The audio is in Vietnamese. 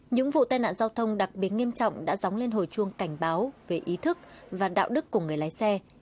những vụ tai nạn giao thông đặc biệt nghiêm trọng đã dóng lên hồi chuông cảnh báo về ý thức và đạo đức của người lái xe